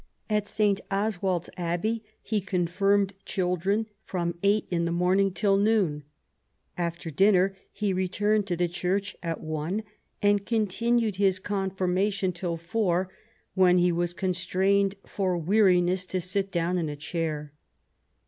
At St. Oswald's Abbey he confirmed children from eight in the morning till noon ; after dinner he returned to the church at one, and continued his confirmation till four, when he was constrained for weariness to sit down in a chair.